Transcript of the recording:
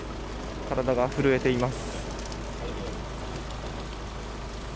体が震えています。